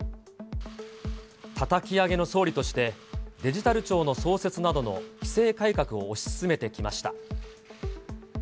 たたき上げの総理として、デジタル庁の創設などの規制改革を推し進めてきました。